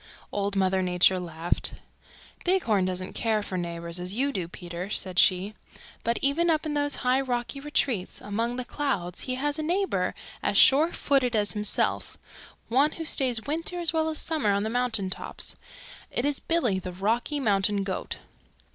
Old Mother Nature laughed. "Bighorn doesn't care for neighbors as you do, Peter," said she. "But even up in those high rocky retreats among the clouds he has a neighbor as sure footed as himself, one who stays winter as well as summer on the mountain tops. It is Billy the Rocky Mountain Goat.